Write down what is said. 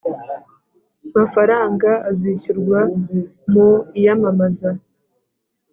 Mafaranga azishyurwa mu iyamamaza